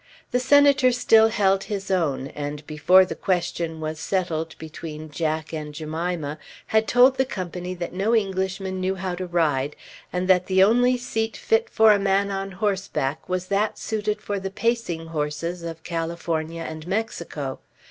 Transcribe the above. The Senator still held his own, and, before the question was settled between Jack and Jemima, had told the company that no Englishman knew how to ride, and that the only seat fit for a man on horseback was that suited for the pacing horses of California and Mexico.